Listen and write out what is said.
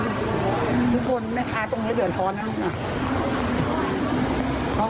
ทุกคนแม่ค้าตรงนี้เดือดร้อนนะลูก